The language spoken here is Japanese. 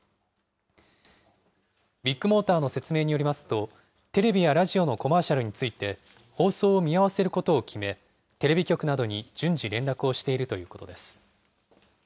ビッグモーターの説明によりますと、テレビやラジオのコマーシャルについて、放送を見合わせることを決め、テレビ局などに順次、連絡をしているということです。